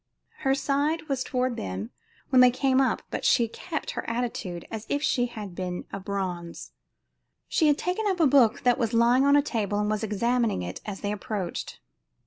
Her side was toward them when they came up, but she kept her attitude as if she had been of bronze. She had taken up a book that was lying on the table and was examining it as they approached.